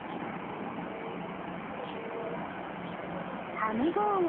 ハムボーン。